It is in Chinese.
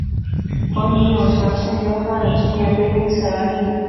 黄泥涌峡圣约翰纪念碑因此而立。